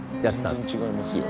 全然違いますよ。